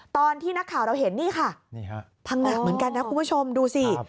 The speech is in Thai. ตอนที่นักข่าวเราเห็นนี่ค่ะพังงะเหมือนกันนะคุณผู้ชมดูสิ